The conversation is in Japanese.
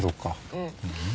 うん。